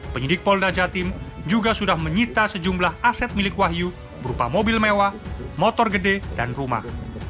penyidik polda jatim juga sudah menyita sejumlah aset milik wahyu berupa mobil mewah motor gede dan rumah